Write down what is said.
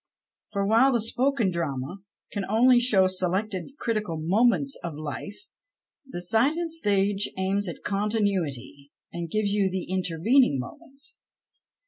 For while the " spoken drama " can only show selected, critical moments of life, the " silent stage "" aims at contiiuiity and gives you the intervening moments.